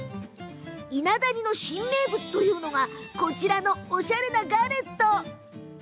伊那谷の新名物というのがこちらのおしゃれなガレット。